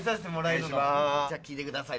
じゃあ聴いてください